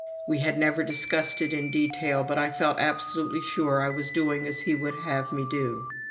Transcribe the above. We had never discussed it in detail, but I felt absolutely sure I was doing as he would have me do.